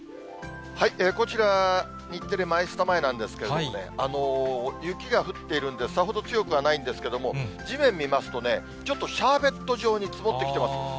こちら、日テレマイスタ前なんですけれどもね、雪が降っているんで、さほど強くはないんですけれども、地面見ますとね、ちょっとシャーベット状に積もってきてます。